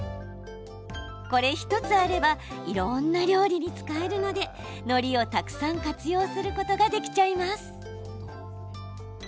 これ１つあればいろんな料理に使えるのでのりをたくさん活用することができちゃいます。